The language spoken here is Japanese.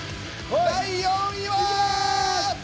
第４位は！